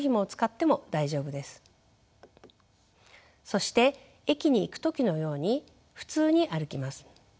そして駅に行く時のように普通に歩きます。